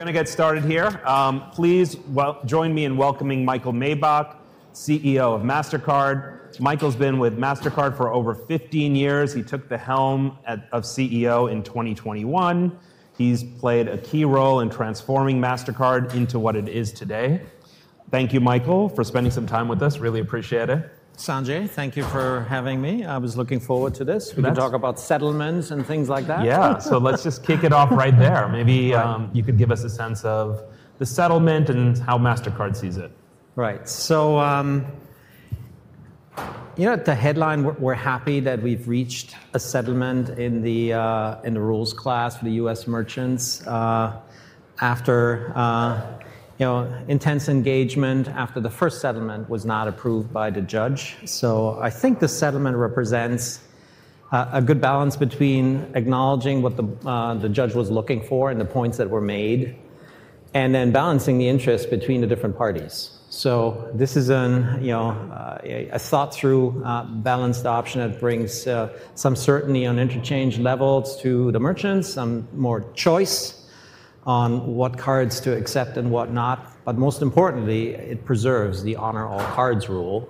Going to get started here. Please join me in welcoming Michael Miebach, CEO of Mastercard. Michael's been with Mastercard for over 15 years. He took the helm of CEO in 2021. He's played a key role in transforming Mastercard into what it is today. Thank you, Michael, for spending some time with us. Really appreciate it. Sanjay, thank you for having me. I was looking forward to this. We can talk about settlements and things like that. Yeah. So let's just kick it off right there. Maybe you could give us a sense of the settlement and how Mastercard sees it. Right. So you know at the headline, we're happy that we've reached a settlement in the rules class for the U.S. merchants after intense engagement after the first settlement was not approved by the judge. I think the settlement represents a good balance between acknowledging what the judge was looking for and the points that were made, and then balancing the interests between the different parties. This is a thought-through, balanced option that brings some certainty on interchange levels to the merchants, some more choice on what cards to accept and whatnot. Most importantly, it preserves the honor all cards rule,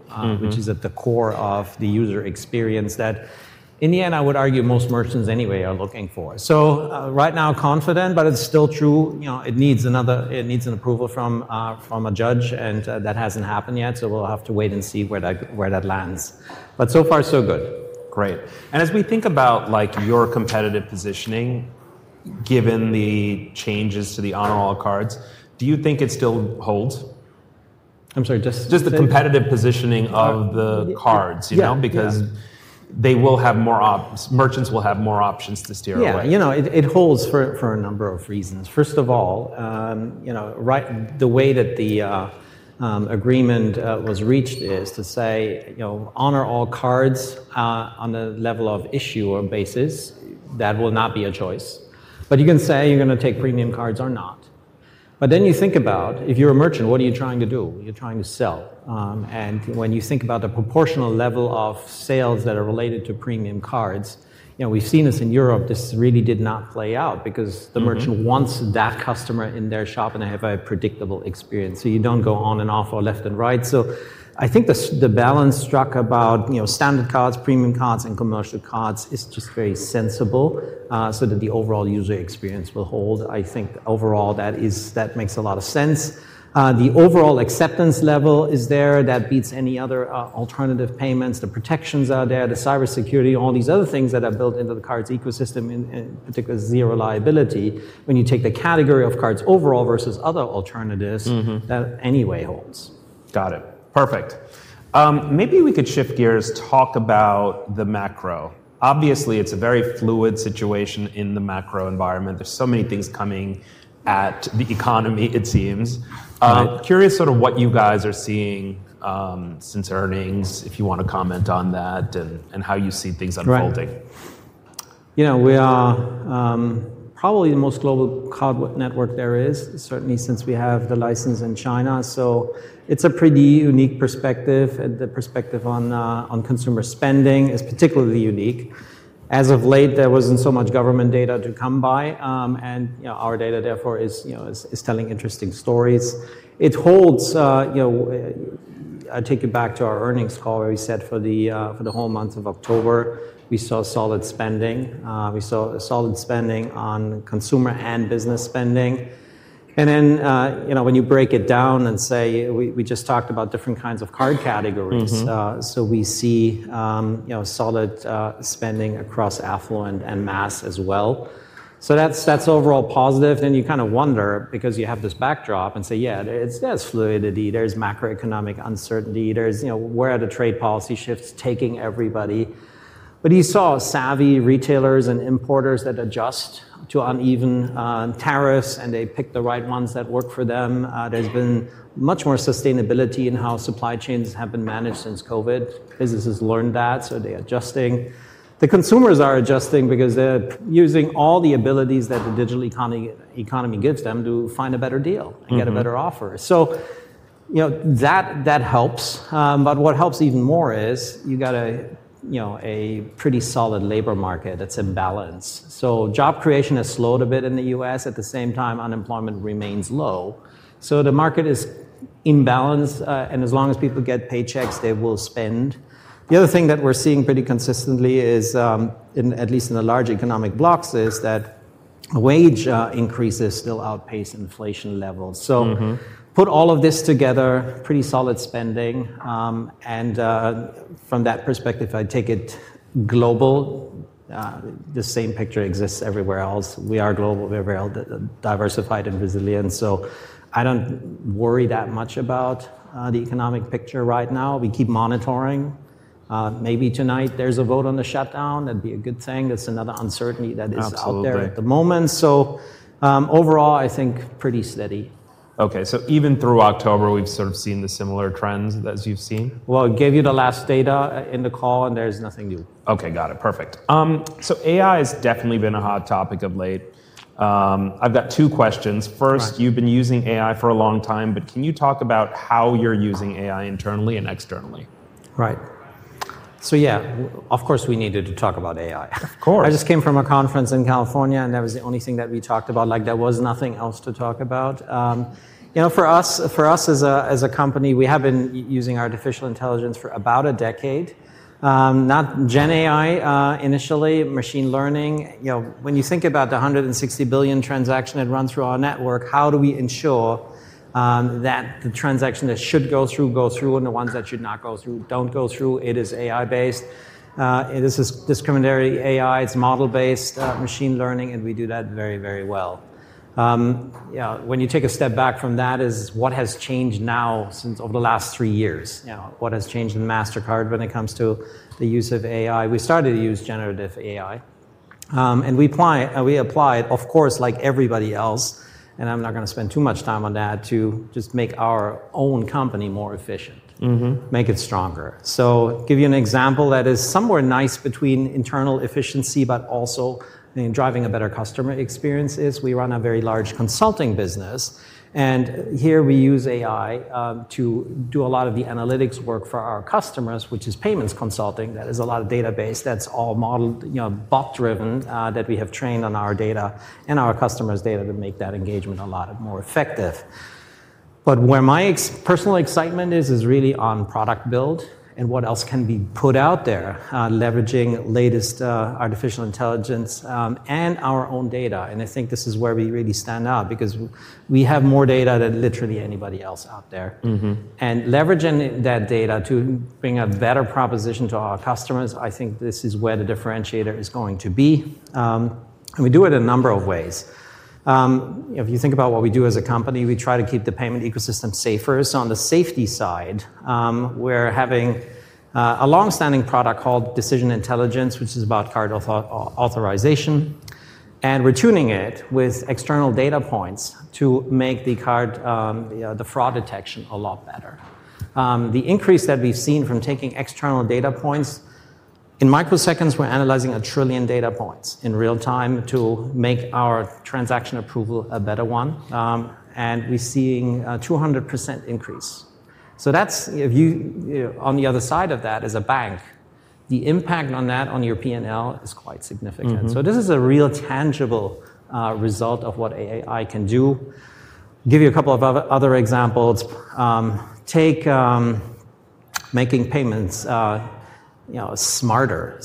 which is at the core of the user experience that, in the end, I would argue most merchants anyway are looking for. Right now, confident, but it's still true. It needs an approval from a judge, and that hasn't happened yet. We'll have to wait and see where that lands. But so far, so good. Great. As we think about your competitive positioning, given the changes to the Honor All Cards Rule, do you think it still holds? I'm sorry, just. Just the competitive positioning of the cards, because they will have more options. Merchants will have more options to steer away. Yeah. You know, it holds for a number of reasons. First of all, the way that the agreement was reached is to say, honor all cards on a level of issuer basis, that will not be a choice. But you can say you're going to take premium cards or not. You think about, if you're a merchant, what are you trying to do? You're trying to sell. When you think about the proportional level of sales that are related to premium cards, we've seen this in Europe. This really did not play out because the merchant wants that customer in their shop and have a predictable experience. You do not go on and off or left and right. I think the balance struck about standard cards, premium cards, and commercial cards is just very sensible so that the overall user experience will hold. I think overall, that makes a lot of sense. The overall acceptance level is there. That beats any other alternative payments. The protections are there. The cybersecurity, all these other things that are built into the cards ecosystem, in particular, zero liability. When you take the category of cards overall versus other alternatives, that anyway holds. Got it. Perfect. Maybe we could shift gears, talk about the macro. Obviously, it's a very fluid situation in the macro environment. There are so many things coming at the economy, it seems. Curious sort of what you guys are seeing since earnings, if you want to comment on that, and how you see things unfolding. You know, we are probably the most global card network there is, certainly since we have the license in China. It is a pretty unique perspective. The perspective on consumer spending is particularly unique. As of late, there was not so much government data to come by. Our data, therefore, is telling interesting stories. It holds. I take you back to our earnings call where we said for the whole month of October, we saw solid spending. We saw solid spending on consumer and business spending. When you break it down and say, we just talked about different kinds of card categories. We see solid spending across affluent and mass as well. That is overall positive. You kind of wonder because you have this backdrop and say, yeah, there is fluidity. There is macroeconomic uncertainty. There is where the trade policy shifts taking everybody. You saw savvy retailers and importers that adjust to uneven tariffs, and they pick the right ones that work for them. There has been much more sustainability in how supply chains have been managed since COVID. Businesses learned that, so they are adjusting. The consumers are adjusting because they are using all the abilities that the digital economy gives them to find a better deal and get a better offer. That helps. What helps even more is you have got a pretty solid labor market that is in balance. Job creation has slowed a bit in the U.S. At the same time, unemployment remains low. The market is in balance. As long as people get paychecks, they will spend. The other thing that we are seeing pretty consistently is, at least in the large economic blocks, that wage increases still outpace inflation levels. Put all of this together, pretty solid spending. From that perspective, I take it global, the same picture exists everywhere else. We are global, we're diversified and resilient. I don't worry that much about the economic picture right now. We keep monitoring. Maybe tonight there's a vote on the shutdown. That'd be a good thing. That's another uncertainty that is out there at the moment. Overall, I think pretty steady. OK. So even through October, we've sort of seen the similar trends that you've seen? I gave you the last data in the call, and there's nothing new. OK. Got it. Perfect. AI has definitely been a hot topic of late. I've got two questions. First, you've been using AI for a long time, but can you talk about how you're using AI internally and externally? Right. So yeah, of course, we needed to talk about AI. Of course. I just came from a conference in California, and that was the only thing that we talked about. There was nothing else to talk about. For us as a company, we have been using artificial intelligence for about a decade. Not Gen AI initially, machine learning. When you think about the 160 billion transactions that run through our network, how do we ensure that the transactions that should go through go through and the ones that should not go through do not go through? It is AI based. This is discriminatory AI. It is model-based machine learning, and we do that very, very well. When you take a step back from that, what has changed now since over the last three years? What has changed in Mastercard when it comes to the use of AI? We started to use generative AI. We applied, of course, like everybody else, and I'm not going to spend too much time on that, to just make our own company more efficient, make it stronger. For example, that is somewhere nice between internal efficiency, but also driving a better customer experience, is we run a very large consulting business. Here we use AI to do a lot of the analytics work for our customers, which is payments consulting. That is a lot of database that's all modeled, bot driven, that we have trained on our data and our customers' data to make that engagement a lot more effective. Where my personal excitement is, is really on product build and what else can be put out there, leveraging latest artificial intelligence and our own data. I think this is where we really stand out because we have more data than literally anybody else out there. Leveraging that data to bring a better proposition to our customers, I think this is where the differentiator is going to be. We do it a number of ways. If you think about what we do as a company, we try to keep the payment ecosystem safer. On the safety side, we're having a longstanding product called Decision Intelligence, which is about card authorization. We're tuning it with external data points to make the fraud detection a lot better. The increase that we've seen from taking external data points in microseconds, we're analyzing a trillion data points in real time to make our transaction approval a better one. We're seeing a 200% increase. On the other side of that is a bank. The impact on that, on your P&L, is quite significant. This is a real tangible result of what AI can do. Give you a couple of other examples. Take making payments smarter.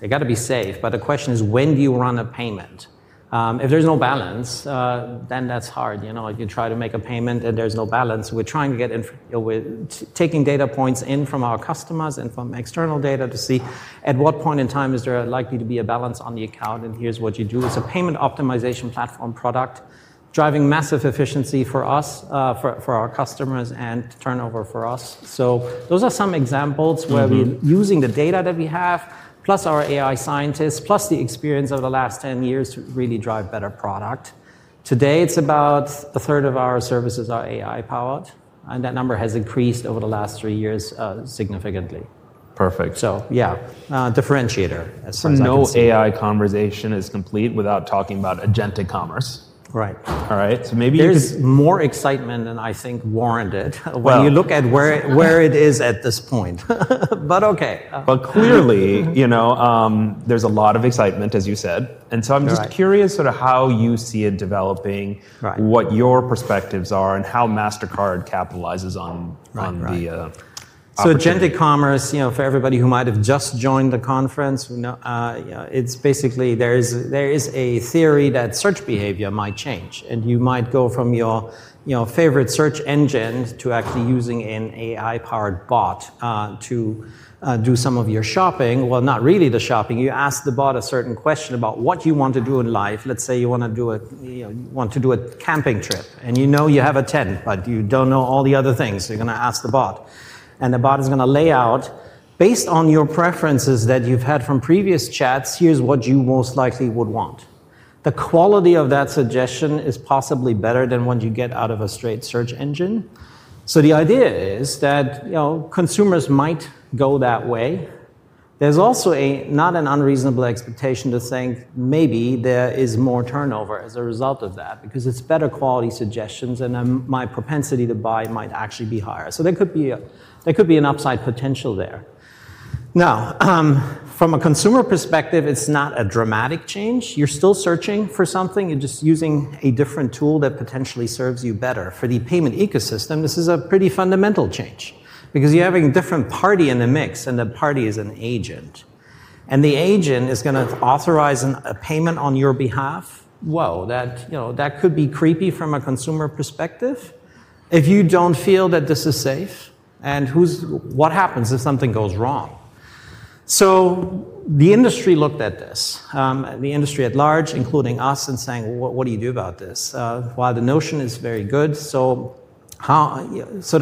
They've got to be safe. The question is, when do you run a payment? If there's no balance, then that's hard. You try to make a payment and there's no balance. We're trying to get taking data points in from our customers and from external data to see at what point in time is there likely to be a balance on the account. Here's what you do. It's a payment optimization platform product driving massive efficiency for us, for our customers, and turnover for us. Those are some examples where we're using the data that we have, plus our AI scientists, plus the experience over the last 10 years to really drive better product. Today, it's about a third of our services are AI powered. That number has increased over the last three years significantly. Perfect. Yeah, differentiator. No AI conversation is complete without talking about agentic commerce. Right. All right. There's more excitement than I think warranted when you look at where it is at this point. OK. Clearly, there's a lot of excitement, as you said. I'm just curious sort of how you see it developing, what your perspectives are, and how Mastercard capitalizes on the opportunity. Agentic commerce, for everybody who might have just joined the conference, it's basically there is a theory that search behavior might change. You might go from your favorite search engine to actually using an AI powered bot to do some of your shopping. Not really the shopping. You ask the bot a certain question about what you want to do in life. Let's say you want to do a camping trip. You know you have a tent, but you do not know all the other things. You are going to ask the bot. The bot is going to lay out, based on your preferences that you have had from previous chats, here is what you most likely would want. The quality of that suggestion is possibly better than what you get out of a straight search engine. The idea is that consumers might go that way. There's also not an unreasonable expectation to think maybe there is more turnover as a result of that because it's better quality suggestions, and my propensity to buy might actually be higher. There could be an upside potential there. Now, from a consumer perspective, it's not a dramatic change. You're still searching for something. You're just using a different tool that potentially serves you better. For the payment ecosystem, this is a pretty fundamental change because you're having a different party in the mix, and the party is an agent. The agent is going to authorize a payment on your behalf. Whoa, that could be creepy from a consumer perspective if you don't feel that this is safe. What happens if something goes wrong? The industry looked at this, the industry at large, including us, and saying, what do you do about this? The notion is very good. The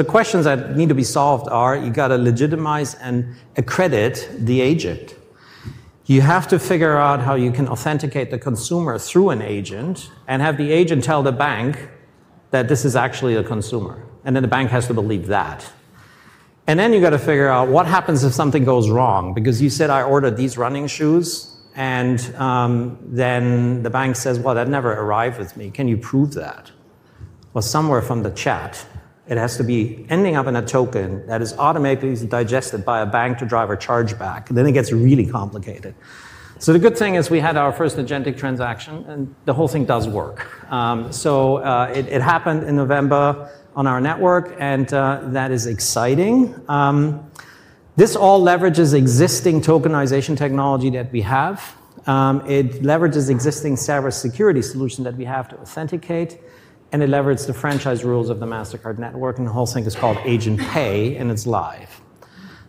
questions that need to be solved are, you've got to legitimize and accredit the agent. You have to figure out how you can authenticate the consumer through an agent and have the agent tell the bank that this is actually a consumer. The bank has to believe that. You have to figure out what happens if something goes wrong because you said, I ordered these running shoes. The bank says, that never arrived with me. Can you prove that? Somewhere from the chat, it has to be ending up in a token that is automatically digested by a bank to drive a chargeback. It gets really complicated. The good thing is we had our first agentic transaction, and the whole thing does work. It happened in November on our network, and that is exciting. This all leverages existing tokenization technology that we have. It leverages existing cybersecurity solutions that we have to authenticate. It leverages the franchise rules of the Mastercard network. The whole thing is called Agent Pay, and it's live.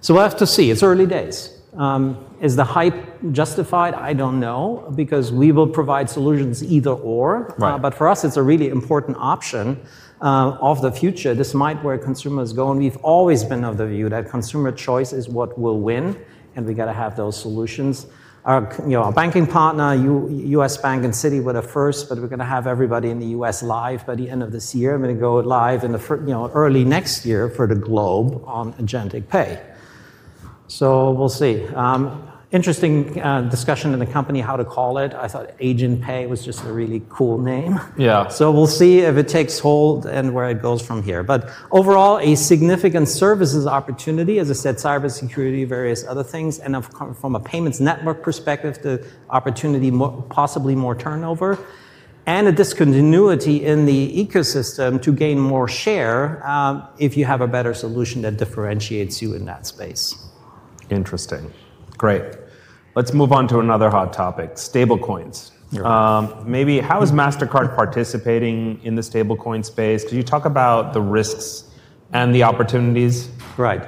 We'll have to see. It's early days. Is the hype justified? I don't know because we will provide solutions either/or. For us, it's a really important option of the future. This might be where consumers go. We've always been of the view that consumer choice is what will win. We've got to have those solutions. Our banking partner, US Bank and Citi, were the first. We're going to have everybody in the U.S. live by the end of this year. I'm going to go live in the early next year for the globe on Agent Pay. So we'll see. Interesting discussion in the company how to call it. I thought Agent Pay was just a really cool name. Yeah, so we'll see if it takes hold and where it goes from here. But overall, a significant services opportunity, as I said, cybersecurity, various other things. And from a payments network perspective, the opportunity, possibly more turnover. And a discontinuity in the ecosystem to gain more share if you have a better solution that differentiates you in that space. Interesting. Great. Let's move on to another hot topic, stablecoins. Maybe how is Mastercard participating in the stablecoin space? Could you talk about the risks and the opportunities? Right.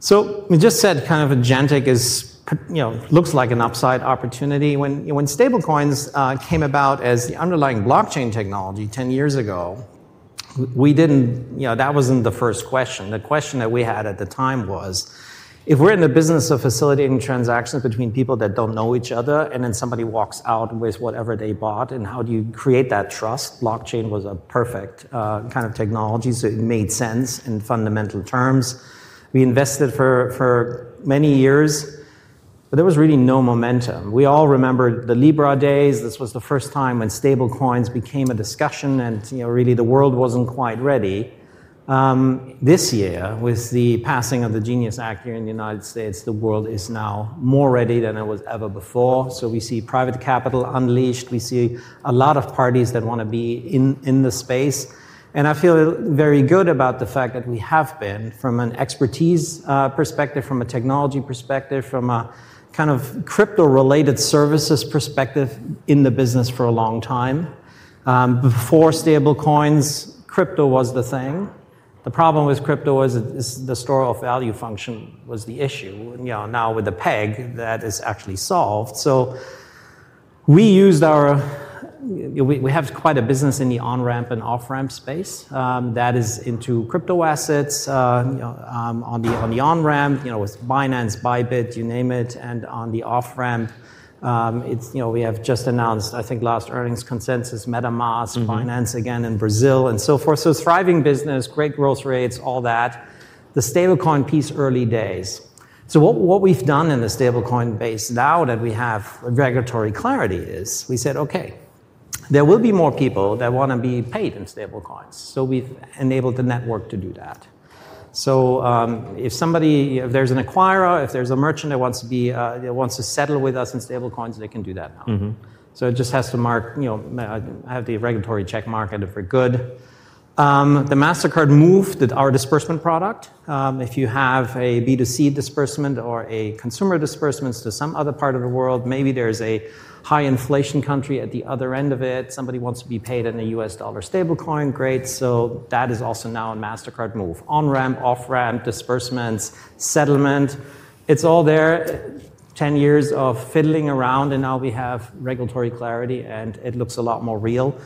So we just said kind of agentic looks like an upside opportunity. When stablecoins came about as the underlying blockchain technology 10 years ago, that was not the first question. The question that we had at the time was, if we are in the business of facilitating transactions between people that do not know each other, and then somebody walks out with whatever they bought, how do you create that trust? Blockchain was a perfect kind of technology, so it made sense in fundamental terms. We invested for many years, but there was really no momentum. We all remember the Libra days. This was the first time when stablecoins became a discussion. Really, the world was not quite ready. This year, with the passing of the Genius Act here in the U.S., the world is now more ready than it was ever before. We see private capital unleashed. We see a lot of parties that want to be in the space. I feel very good about the fact that we have been, from an expertise perspective, from a technology perspective, from a kind of crypto-related services perspective, in the business for a long time. Before stablecoins, crypto was the thing. The problem with crypto was the store of value function was the issue. Now, with the peg, that is actually solved. We have quite a business in the on-ramp and off-ramp space that is into crypto assets on the on-ramp with Binance, Bybit, you name it. On the off-ramp, we have just announced, I think, last earnings consensus, MetaMask, Binance again in Brazil, and so forth. It is a thriving business, great growth rates, all that. The stablecoin piece, early days. What we've done in the stablecoin base now that we have regulatory clarity is we said, OK, there will be more people that want to be paid in stablecoins. We've enabled the network to do that. If there's an acquirer, if there's a merchant that wants to settle with us in stablecoins, they can do that now. It just has to have the regulatory check mark and if we're good. The Mastercard Move, our disbursement product. If you have a B2C disbursement or a consumer disbursement to some other part of the world, maybe there is a high inflation country at the other end of it. Somebody wants to be paid in a $1 stablecoin. Great. That is also now a Mastercard Move. On-ramp, off-ramp, disbursements, settlement. It's all there. 10 years of fiddling around, and now we have regulatory clarity, and it looks a lot more real.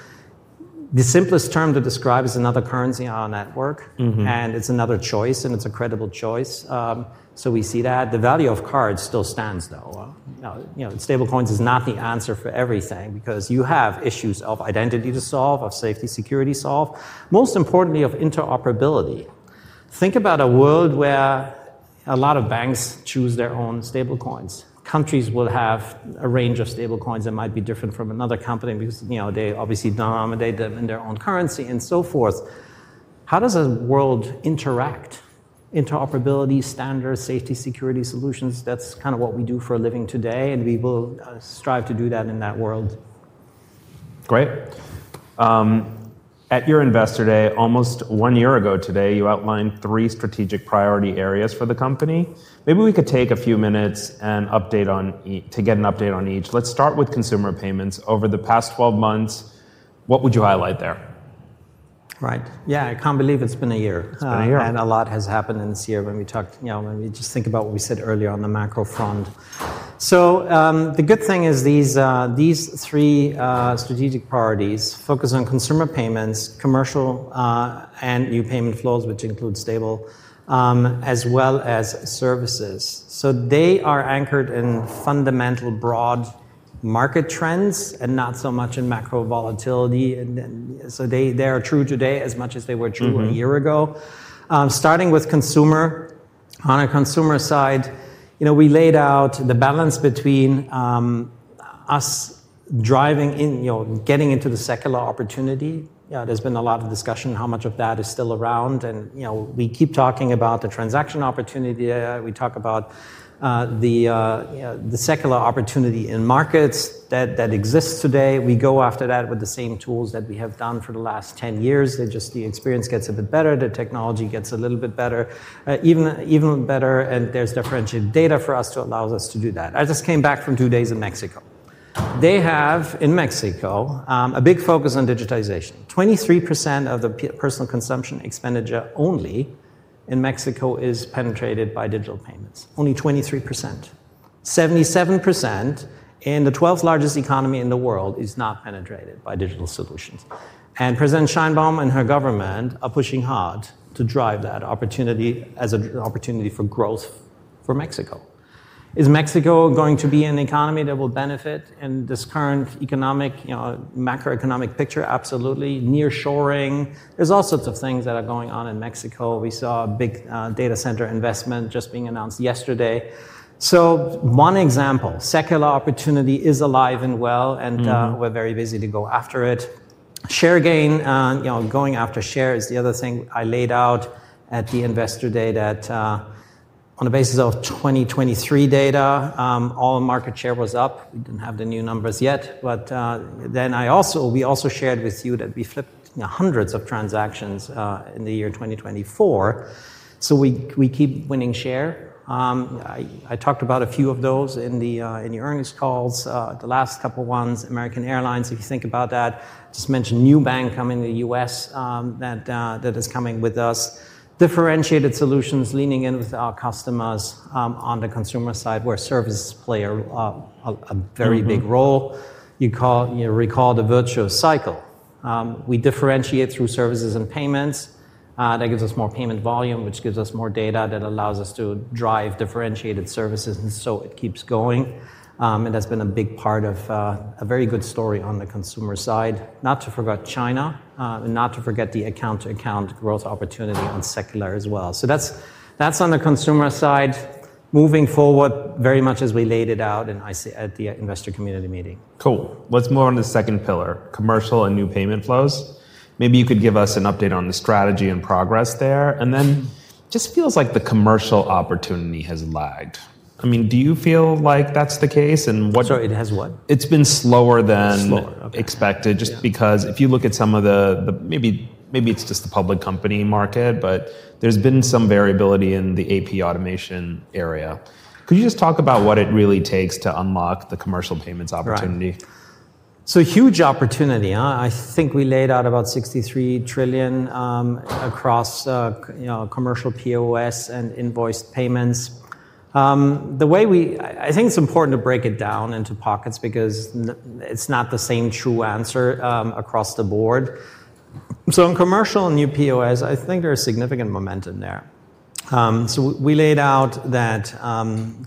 The simplest term to describe is another currency on our network. And it's another choice, and it's a credible choice. So we see that. The value of cards still stands, though. Stablecoins is not the answer for everything because you have issues of identity to solve, of safety security to solve, most importantly, of interoperability. Think about a world where a lot of banks choose their own stablecoins. Countries will have a range of stablecoins that might be different from another company because they obviously denominate them in their own currency and so forth. How does a world interact? Interoperability, standards, safety security solutions. That's kind of what we do for a living today. We will strive to do that in that world. Great. At your Investor Day, almost one year ago today, you outlined three strategic priority areas for the company. Maybe we could take a few minutes to get an update on each. Let's start with consumer payments. Over the past 12 months, what would you highlight there? Right. Yeah, I can't believe it's been a year. It's been a year. A lot has happened in this year when we talk, when we just think about what we said earlier on the macro front. The good thing is these three strategic priorities focus on consumer payments, commercial, and new payment flows, which include stable, as well as services. They are anchored in fundamental broad market trends and not so much in macro volatility. They are true today as much as they were true a year ago. Starting with consumer, on a consumer side, we laid out the balance between us driving in, getting into the secular opportunity. There's been a lot of discussion how much of that is still around. We keep talking about the transaction opportunity. We talk about the secular opportunity in markets that exists today. We go after that with the same tools that we have done for the last 10 years. Just the experience gets a bit better. The technology gets a little bit better, even better. And there's differentiated data for us to allow us to do that. I just came back from two days in Mexico. They have, in Mexico, a big focus on digitization. 23% of the personal consumption expenditure only in Mexico is penetrated by digital payments. Only 23%. 77% in the 12th largest economy in the world is not penetrated by digital solutions. And President Sheinbaum and her government are pushing hard to drive that opportunity as an opportunity for growth for Mexico. Is Mexico going to be an economy that will benefit in this current economic, macroeconomic picture? Absolutely. Nearshoring. There's all sorts of things that are going on in Mexico. We saw a big data center investment just being announced yesterday. So one example, secular opportunity is alive and well. We're very busy to go after it. Share gain, going after share is the other thing I laid out at the Investor Day that on the basis of 2023 data, all market share was up. We didn't have the new numbers yet. We also shared with you that we flipped hundreds of transactions in the year 2024. We keep winning share. I talked about a few of those in the earnings calls, the last couple of ones. American Airlines, if you think about that, just mentioned Nubank coming to the United States that is coming with us. Differentiated solutions leaning in with our customers on the consumer side, where services play a very big role. You recall the virtuous cycle. We differentiate through services and payments. That gives us more payment volume, which gives us more data that allows us to drive differentiated services. It keeps going. That's been a big part of a very good story on the consumer side. Not to forget China, and not to forget the account-to-account growth opportunity on secular as well. That's on the consumer side. Moving forward, very much as we laid it out at the Investor Community Meeting. Cool. Let's move on to the second pillar, commercial and new payment flows. Maybe you could give us an update on the strategy and progress there. I mean, do you feel like the commercial opportunity has lagged? I mean, do you feel like that's the case? It has what? It's been slower than expected just because if you look at some of the—maybe it's just the public company market—but there's been some variability in the AP automation area. Could you just talk about what it really takes to unlock the commercial payments opportunity? Huge opportunity. I think we laid out about $63 trillion across commercial POS and invoiced payments. I think it's important to break it down into pockets because it's not the same true answer across the board. In commercial and new POS, I think there is significant momentum there. We laid out that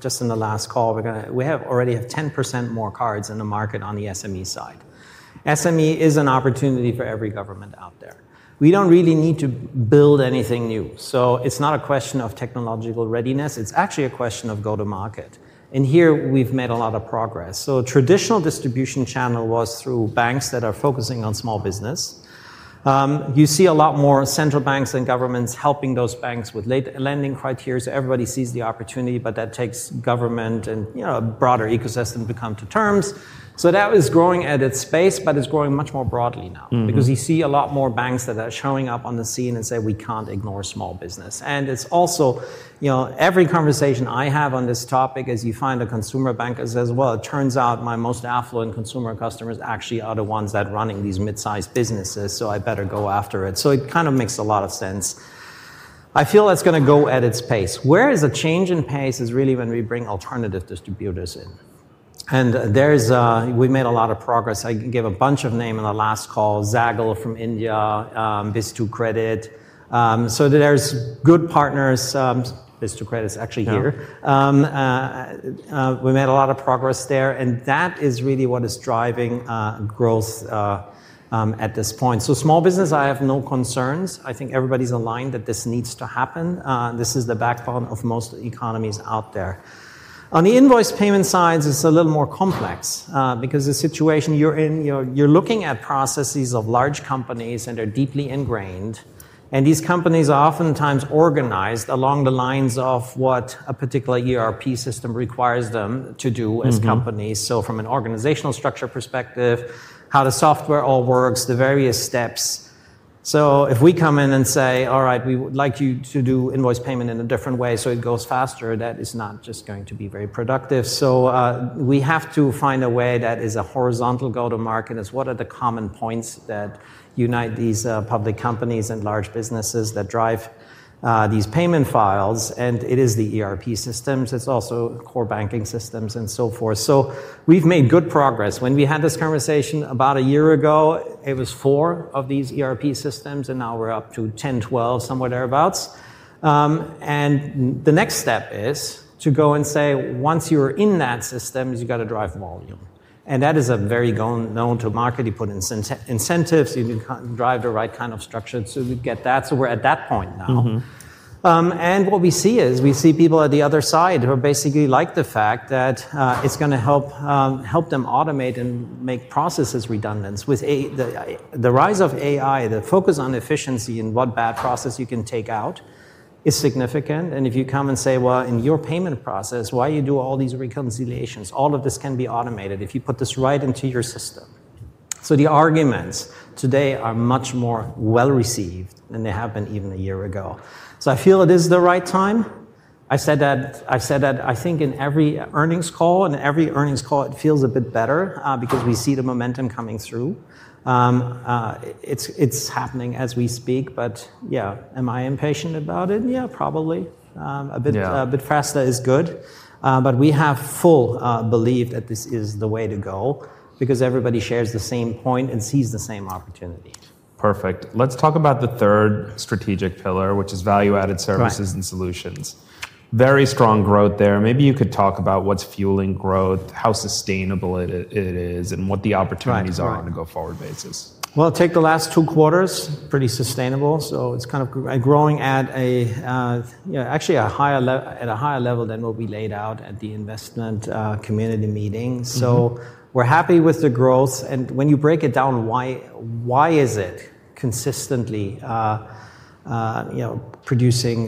just in the last call, we already have 10% more cards in the market on the SME side. SME is an opportunity for every government out there. We don't really need to build anything new. It's not a question of technological readiness. It's actually a question of go-to-market. Here, we've made a lot of progress. Traditional distribution channel was through banks that are focusing on small business. You see a lot more central banks and governments helping those banks with late lending criteria. Everybody sees the opportunity. That takes government and a broader ecosystem to come to terms. That was growing at its pace, but it's growing much more broadly now because you see a lot more banks that are showing up on the scene and say, we can't ignore small business. It's also every conversation I have on this topic, as you find a consumer bank that says, well, it turns out my most affluent consumer customers actually are the ones that are running these mid-sized businesses. I better go after it. It kind of makes a lot of sense. I feel that's going to go at its pace. Where the change in pace is really when we bring alternative distributors in. We made a lot of progress. I gave a bunch of names in the last call, Zaggle from India, Vistucredit. There are good partners. Vistucredit is actually here. We made a lot of progress there. That is really what is driving growth at this point. Small business, I have no concerns. I think everybody's aligned that this needs to happen. This is the backbone of most economies out there. On the invoice payment side, it's a little more complex because the situation you're in, you're looking at processes of large companies that are deeply ingrained. These companies are oftentimes organized along the lines of what a particular ERP system requires them to do as companies. From an organizational structure perspective, how the software all works, the various steps. If we come in and say, all right, we would like you to do invoice payment in a different way so it goes faster, that is not just going to be very productive. We have to find a way that is a horizontal go-to-market. It's what are the common points that unite these public companies and large businesses that drive these payment files. It is the ERP systems. It's also core banking systems and so forth. We've made good progress. When we had this conversation about a year ago, it was four of these ERP systems. Now we're up to 10-12, somewhere thereabouts. The next step is to go and say, once you're in that system, you've got to drive volume. That is very known to market. You put incentives. You can drive the right kind of structure. We get that. We're at that point now. What we see is we see people at the other side who basically like the fact that it's going to help them automate and make processes redundant. With the rise of AI, the focus on efficiency and what bad process you can take out is significant. If you come and say, in your payment process, why do you do all these reconciliations? All of this can be automated if you put this right into your system. The arguments today are much more well-received than they have been even a year ago. I feel it is the right time. I said that I think in every earnings call. In every earnings call, it feels a bit better because we see the momentum coming through. It is happening as we speak. Yeah, am I impatient about it? Yeah, probably. A bit faster is good. We have full belief that this is the way to go because everybody shares the same point and sees the same opportunity. Perfect. Let's talk about the third strategic pillar, which is value-added services and solutions. Very strong growth there. Maybe you could talk about what's fueling growth, how sustainable it is, and what the opportunities are on a go-forward basis. Take the last two quarters. Pretty sustainable. It is kind of growing at actually a higher level than what we laid out at the Investment Community Meeting. We are happy with the growth. When you break it down, why is it consistently producing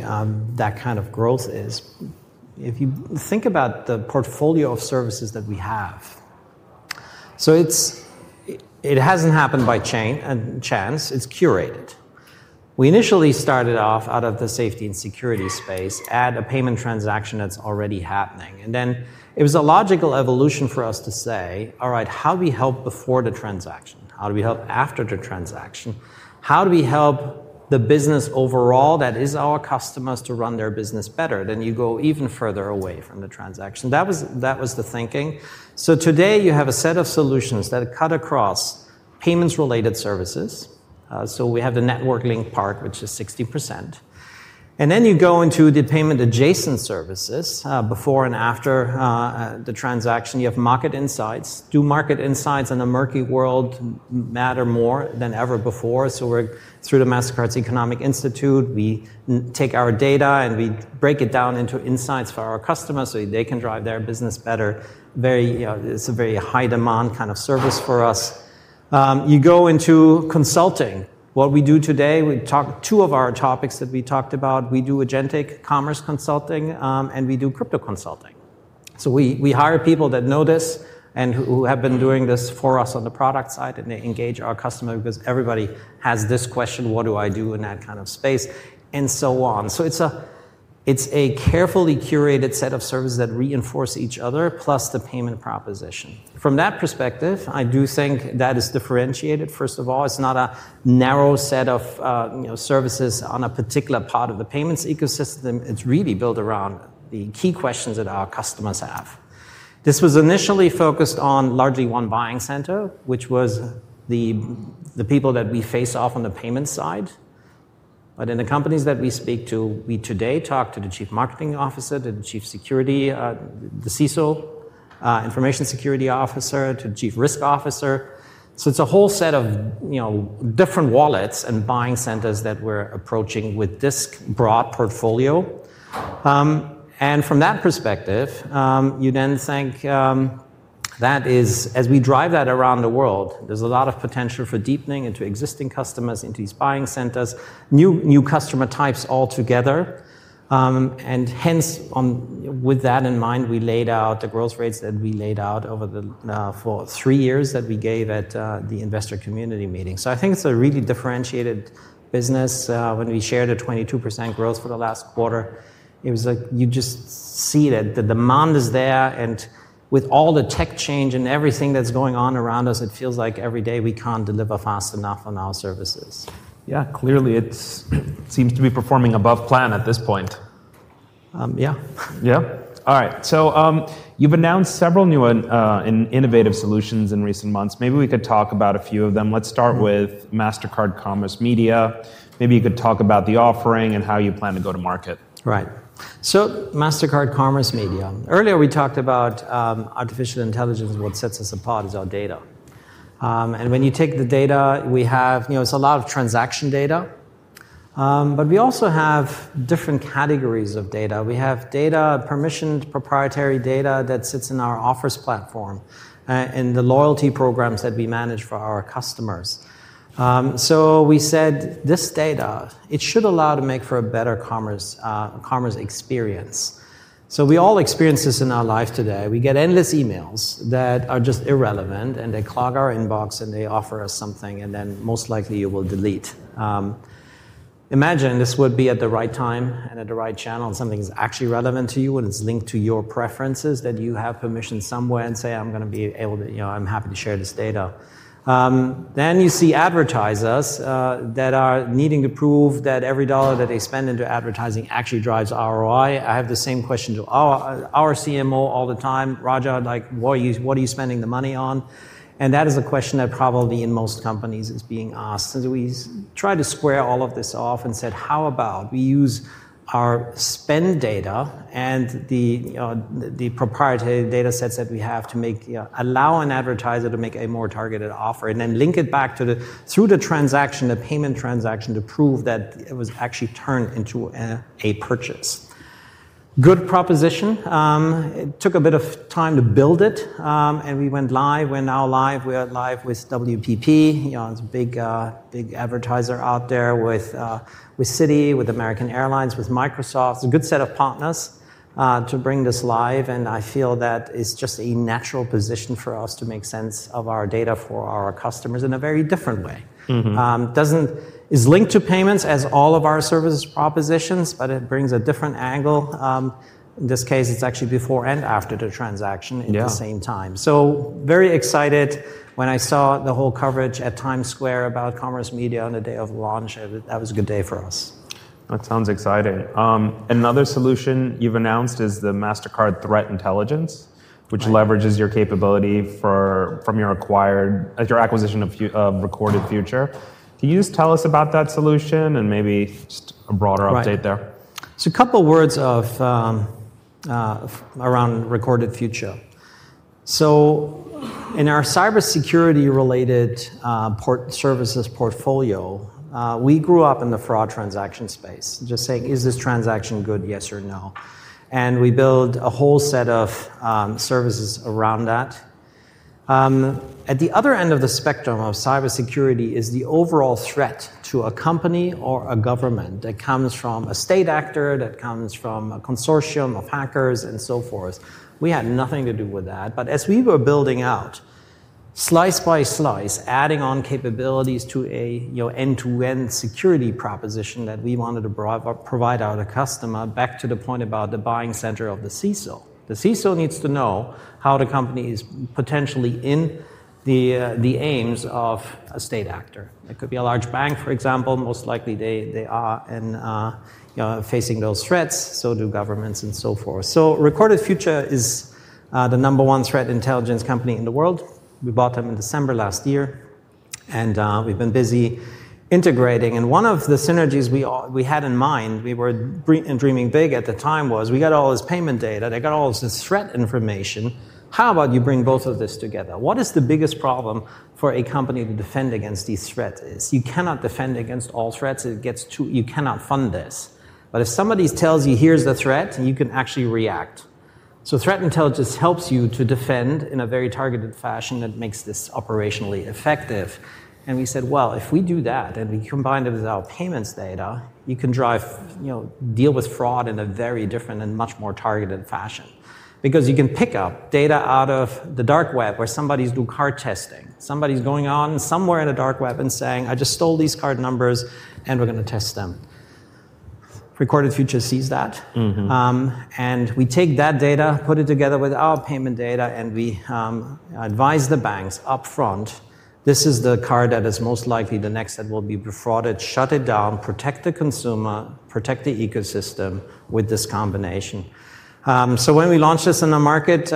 that kind of growth? If you think about the portfolio of services that we have, it has not happened by chance. It is curated. We initially started off out of the safety and security space at a payment transaction that is already happening. It was a logical evolution for us to say, all right, how do we help before the transaction? How do we help after the transaction? How do we help the business overall that is our customers to run their business better? You go even further away from the transaction. That was the thinking. Today, you have a set of solutions that cut across payments-related services. We have the network link part, which is 60%. Then you go into the payment-adjacent services before and after the transaction. You have market insights. Do market insights in a murky world matter more than ever before? Through the Mastercard's Economic Institute, we take our data and we break it down into insights for our customers so they can drive their business better. It's a very high-demand kind of service for us. You go into consulting. What we do today, two of our topics that we talked about, we do agentic commerce consulting, and we do crypto consulting. We hire people that know this and who have been doing this for us on the product side. They engage our customer because everybody has this question, what do I do in that kind of space? It is a carefully curated set of services that reinforce each other, plus the payment proposition. From that perspective, I do think that is differentiated. First of all, it is not a narrow set of services on a particular part of the payments ecosystem. It is really built around the key questions that our customers have. This was initially focused on largely one buying center, which was the people that we face off on the payment side. In the companies that we speak to, we today talk to the Chief Marketing Officer, to the Chief Information Security Officer, the CISO, to the Chief Risk Officer. It is a whole set of different wallets and buying centers that we are approaching with this broad portfolio. From that perspective, you then think that as we drive that around the world, there's a lot of potential for deepening into existing customers, into these buying centers, new customer types altogether. Hence, with that in mind, we laid out the growth rates that we laid out for three years that we gave at the Investor Community Meeting. I think it's a really differentiated business. When we shared a 22% growth for the last quarter, it was like you just see that the demand is there. With all the tech change and everything that's going on around us, it feels like every day we can't deliver fast enough on our services. Yeah, clearly it seems to be performing above plan at this point. Yeah. Yeah? All right. So you've announced several new and innovative solutions in recent months. Maybe we could talk about a few of them. Let's start with Mastercard Commerce Media. Maybe you could talk about the offering and how you plan to go to market. Right. Mastercard Commerce Media. Earlier, we talked about artificial intelligence. What sets us apart is our data. When you take the data, we have a lot of transaction data. We also have different categories of data. We have permissioned proprietary data that sits in our office platform and the loyalty programs that we manage for our customers. We said this data should allow for a better commerce experience. We all experience this in our life today. We get endless emails that are just irrelevant. They clog our inbox. They offer us something. Most likely, you will delete. Imagine this would be at the right time and at the right channel and something is actually relevant to you and it's linked to your preferences that you have permission somewhere and say, I'm going to be able to, I'm happy to share this data. You see advertisers that are needing to prove that every dollar that they spend into advertising actually drives ROI. I have the same question to our CMO all the time, Raja, what are you spending the money on? That is a question that probably in most companies is being asked. We try to square all of this off and said, how about we use our spend data and the proprietary data sets that we have to allow an advertiser to make a more targeted offer and then link it back through the transaction, the payment transaction to prove that it was actually turned into a purchase. Good proposition. It took a bit of time to build it. We went live. We're now live. We're live with WPP. It's a big advertiser out there with Citi, with American Airlines, with Microsoft. It's a good set of partners to bring this live. I feel that it's just a natural position for us to make sense of our data for our customers in a very different way. It's linked to payments as all of our service propositions, but it brings a different angle. In this case, it's actually before and after the transaction at the same time. Very excited when I saw the whole coverage at Times Square about Commerce Media on the day of launch. That was a good day for us. That sounds exciting. Another solution you've announced is the Mastercard Threat Intelligence, which leverages your capability from your acquisition of Recorded Future. Can you just tell us about that solution and maybe just a broader update there? A couple of words around Recorded Future. In our cybersecurity-related services portfolio, we grew up in the fraud transaction space. Just saying, is this transaction good? Yes or no. We build a whole set of services around that. At the other end of the spectrum of cybersecurity is the overall threat to a company or a government that comes from a state actor, that comes from a consortium of hackers, and so forth. We had nothing to do with that. As we were building out, slice by slice, adding on capabilities to an end-to-end security proposition that we wanted to provide our customer, back to the point about the buying center of the CISO. The CISO needs to know how the company is potentially in the aims of a state actor. It could be a large bank, for example. Most likely, they are facing those threats. Governments and so forth. Recorded Future is the number one threat intelligence company in the world. We bought them in December last year. We have been busy integrating. One of the synergies we had in mind, we were dreaming big at the time, was we got all this payment data. They got all this threat information. How about you bring both of this together? What is the biggest problem for a company to defend against these threats is you cannot defend against all threats. You cannot fund this. If somebody tells you, here is the threat, you can actually react. Threat intelligence helps you to defend in a very targeted fashion that makes this operationally effective. If we do that and we combine it with our payments data, you can deal with fraud in a very different and much more targeted fashion. Because you can pick up data out of the dark web where somebody's doing card testing. Somebody's going on somewhere in the dark web and saying, I just stole these card numbers, and we're going to test them. Recorded Future sees that. We take that data, put it together with our payment data, and we advise the banks upfront, this is the card that is most likely the next that will be defrauded. Shut it down. Protect the consumer. Protect the ecosystem with this combination. When we launched this in the market,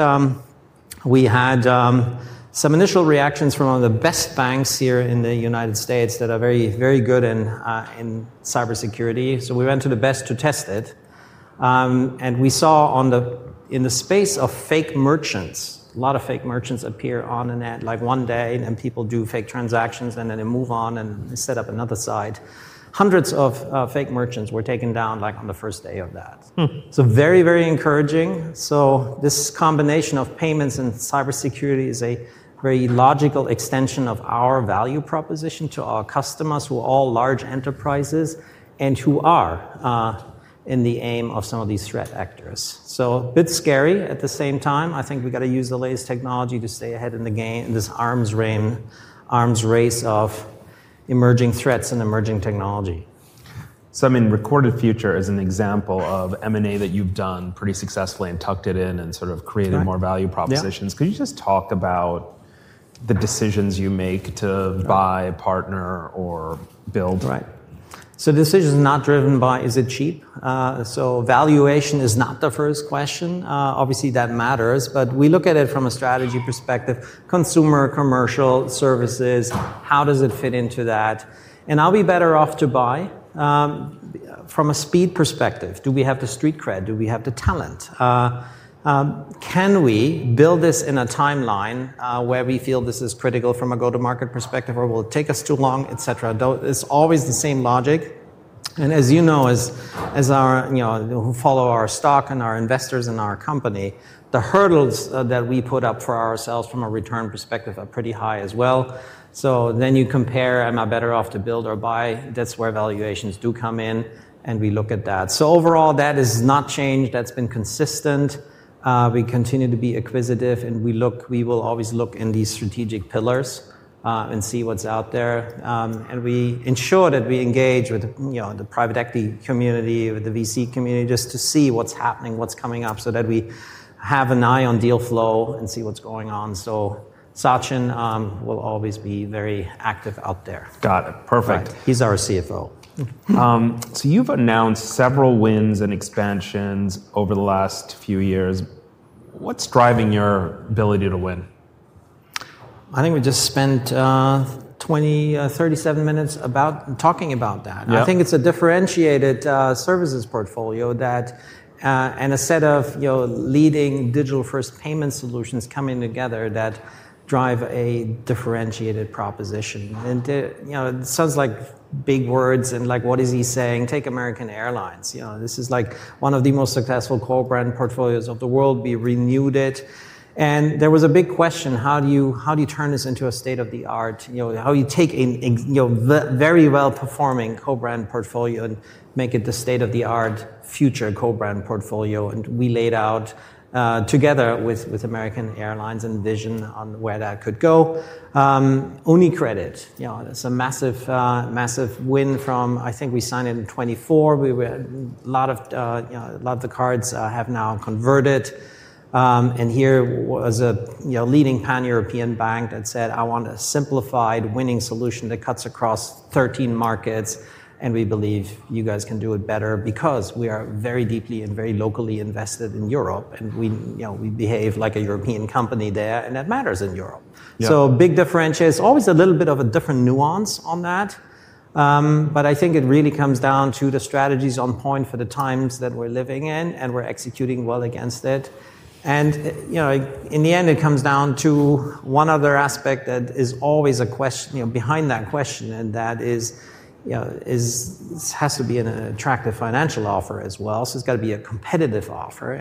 we had some initial reactions from one of the best banks here in the U.S. that are very good in cybersecurity. We went to the best to test it. We saw in the space of fake merchants, a lot of fake merchants appear on and at like one day, and people do fake transactions, and then they move on and set up another site. Hundreds of fake merchants were taken down on the first day of that. Very, very encouraging. This combination of payments and cybersecurity is a very logical extension of our value proposition to our customers who are all large enterprises and who are in the aim of some of these threat actors. A bit scary at the same time. I think we've got to use the latest technology to stay ahead in this arms race of emerging threats and emerging technology. I mean, Recorded Future is an example of M&A that you've done pretty successfully and tucked it in and sort of created more value propositions. Could you just talk about the decisions you make to buy, partner, or build? Right. The decision is not driven by is it cheap? Valuation is not the first question. Obviously, that matters. We look at it from a strategy perspective. Consumer, commercial services, how does it fit into that? Am I better off to buy? From a speed perspective, do we have the street cred? Do we have the talent? Can we build this in a timeline where we feel this is critical from a go-to-market perspective, or will it take us too long, et cetera? It is always the same logic. As you know, who follow our stock and our investors in our company, the hurdles that we put up for ourselves from a return perspective are pretty high as well. You compare, am I better off to build or buy? That is where valuations do come in. We look at that. Overall, that has not changed. That has been consistent. We continue to be acquisitive. We will always look in these strategic pillars and see what is out there. We ensure that we engage with the private equity community, with the VC community, just to see what is happening, what is coming up so that we have an eye on deal flow and see what is going on. Sachin will always be very active out there. Got it. Perfect. He's our CFO. You've announced several wins and expansions over the last few years. What's driving your ability to win? I think we just spent 37 minutes talking about that. I think it's a differentiated services portfolio and a set of leading digital-first payment solutions coming together that drive a differentiated proposition. It sounds like big words. What is he saying? Take American Airlines. This is one of the most successful co-brand portfolios of the world. We renewed it. There was a big question, how do you turn this into a state-of-the-art? How do you take a very well-performing co-brand portfolio and make it the state-of-the-art future co-brand portfolio? We laid out together with American Airlines a vision on where that could go. UniCredit, it's a massive win from, I think we signed it in 2024. A lot of the cards have now converted. Here was a leading pan-European bank that said, I want a simplified winning solution that cuts across 13 markets. We believe you guys can do it better because we are very deeply and very locally invested in Europe. We behave like a European company there. That matters in Europe. Big differentiators. Always a little bit of a different nuance on that. I think it really comes down to the strategy is on point for the times that we're living in and we're executing well against it. In the end, it comes down to one other aspect that is always a question behind that question. That is, this has to be an attractive financial offer as well. It has to be a competitive offer.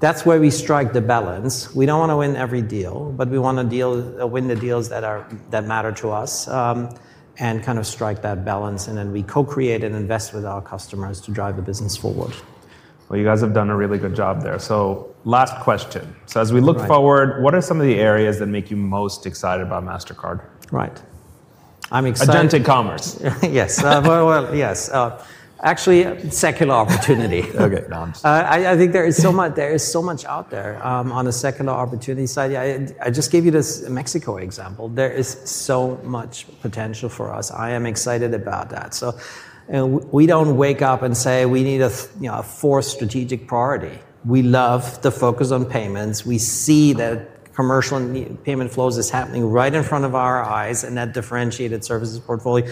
That is where we strike the balance. We do not want to win every deal, but we want to win the deals that matter to us and kind of strike that balance. We co-create and invest with our customers to drive the business forward. You guys have done a really good job there. Last question. As we look forward, what are some of the areas that make you most excited about Mastercard? Right. I'm excited. Agentic commerce. Yes. Yes. Actually, secular opportunity. OK. I think there is so much out there on the secular opportunity side. I just gave you this Mexico example. There is so much potential for us. I am excited about that. We do not wake up and say, we need a fourth strategic priority. We love the focus on payments. We see that commercial payment flows is happening right in front of our eyes and that differentiated services portfolio.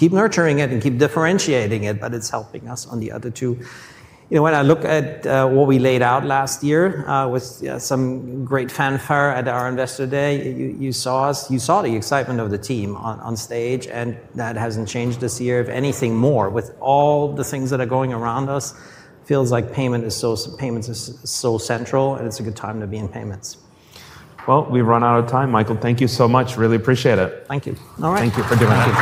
Keep nurturing it and keep differentiating it. It is helping us on the other two. When I look at what we laid out last year with some great fanfare at our Investor Day, you saw the excitement of the team on stage. That has not changed this year if anything more. With all the things that are going around us, it feels like payment is so central. It is a good time to be in payments. We've run out of time. Michael, thank you so much. Really appreciate it. Thank you. All right. Thank you for doing it.